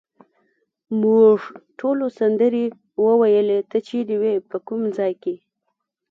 موږ ټولو سندرې وویلې، ته چیرې وې، په کوم ځای کې؟